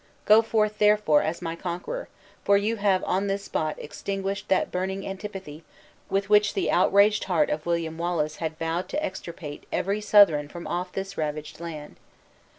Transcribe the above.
Go forth, therefore, as my conqueror, for you have on this spot extinguished that burning antipathy with which the outraged heart of William Wallace had vowed to extirpate every Southron from off this ravaged land.